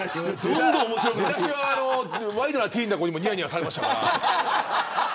出だしはワイドナティーンの子にもにやにやされましたから。